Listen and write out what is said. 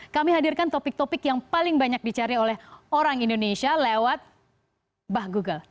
kami hadirkan topik topik yang paling banyak dicari oleh orang indonesia lewat bah google